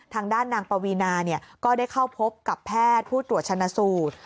ทางด้านนางปวีนาก็ได้เข้าพบกับแพทย์ผู้ตรวจชนะสูตร